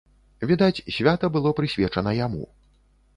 Відаць, свята было прысвечана яму.